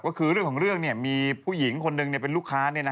ก็คือเรื่องของเรื่องมีผู้หญิงคนหนึ่งเป็นลูกค้า